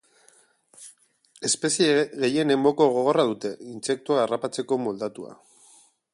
Espezie gehienek moko gogora dute, intsektuak harrapatzeko moldatua.